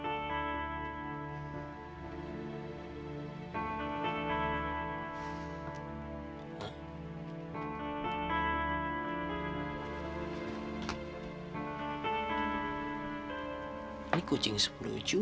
tante ini sudah beres